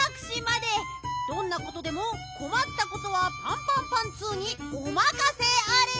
どんなことでもこまったことはパンパンパンツーにおまかせあれ！